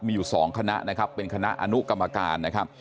มีอยู่๒คณะนะครับเป็นคณะอนุกรรมการนะครับ